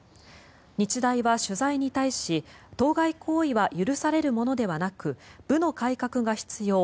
日大は取材に対し当該行為は許されるものではなく部の改革が必要